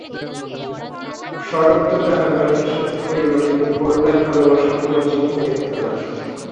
স্বরূপ তো তাহার যথাসাধ্য করিল, কিন্তু করুণার ভালোবাসার কোনো চিহ্ন দেখিল না।